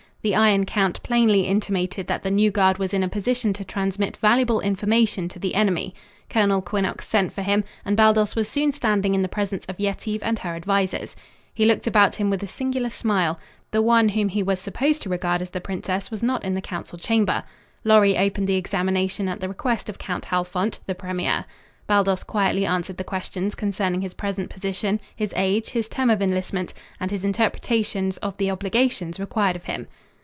The Iron Count plainly intimated that the new guard was in a position to transmit valuable information to the enemy. Colonel Quinnox sent for him, and Baldos was soon standing in the presence of Yetive and her advisers. He looked about him with a singular smile. The one whom he was supposed to regard as the princess was not in the council chamber. Lorry opened the examination at the request of Count Halfont, the premier. Baldos quietly answered the questions concerning his present position, his age, his term of enlistment, and his interpretations of the obligations required of him.